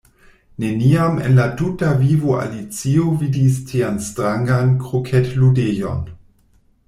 Neniam en la tuta vivo Alicio vidis tian strangan kroketludejon.